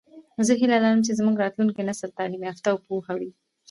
زه هیله لرم چې زمونږ راتلونکی نسل تعلیم یافته او پوهه وي